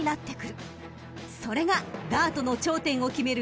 ［それがダートの頂点を決める